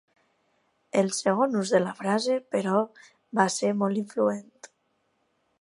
El segon ús de la frase, però, va ser molt influent.